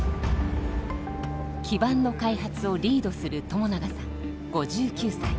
基板の開発をリードする友永さん５９歳。